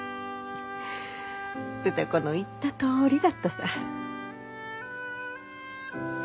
・歌子の言ったとおりだったさ。